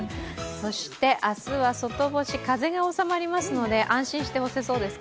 明日は外干し、風が収まりますので、安心して干せそうですか？